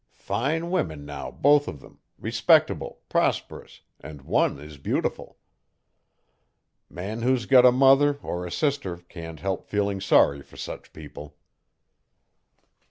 Fine women now both of them respectable, prosperous, and one is beautiful. Man who's got a mother, or a sister, can't help feeling sorry for such people.